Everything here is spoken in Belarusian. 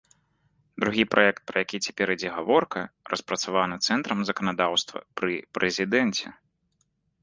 Другі праект, пра які цяпер ідзе гаворка, распрацаваны цэнтрам заканадаўства пры прэзідэнце.